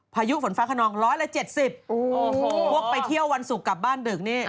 พายุฝนฟ้าขนองร้อยละ๗๐โอ้โหพวกไปเที่ยววันศุกร์กลับบ้านดึกนี่